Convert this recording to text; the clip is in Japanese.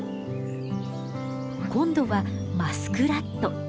今度はマスクラット。